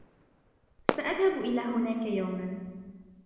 سأذهب إلى هناك اليوم.